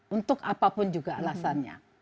untuk apapun juga alasannya